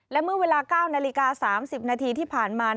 และเมื่อเวลา๙นาฬิกา๓๐นาทีที่ผ่านมา